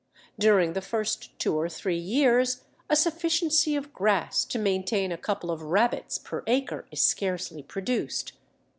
During the first two or three years a sufficiency of grass to maintain a couple of rabbits per acre is scarcely produced.